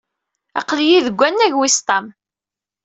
Aql-iyi deg wannag wis ṭam.